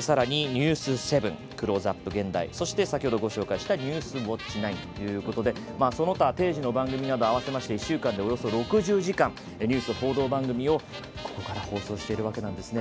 さらに「ニュース７」「クローズアップ現代」そして、先ほどご紹介した「ニュースウオッチ９」ということでその他、定時の番組など合わせて１週間でおよそ６０時間ニュース報道番組を、ここから放送しているわけなんです。